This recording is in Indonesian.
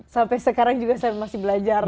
sampai sekarang juga saya masih belajar